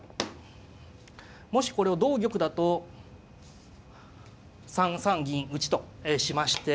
もしこれを同玉だと３三銀打としまして。